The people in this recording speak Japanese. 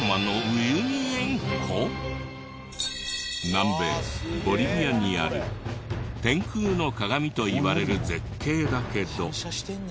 南米ボリビアにある「天空の鏡」といわれる絶景だけど。